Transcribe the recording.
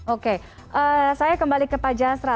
oke saya kembali ke pak jasra